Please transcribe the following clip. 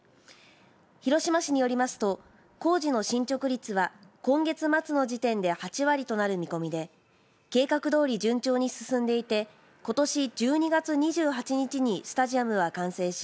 広島市によりますと工事の進捗率は今月末の時点で８割となる見込みで計画どおり順調に進んでいてことし１２月２８日にスタジアムは完成し